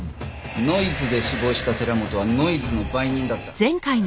ノイズで死亡した寺本はノイズの売人だった。